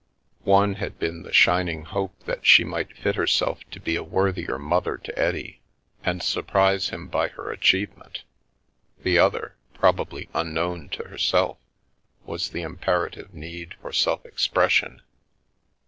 One had been the shining hope that she might fit herself to be a worthier mother to Eddie, and surprise him by her achievement, the other, probably unknown to herself, was the impera tive need for self expression.